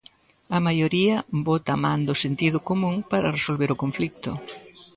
A maioría bota man do sentido común para resolver o conflito.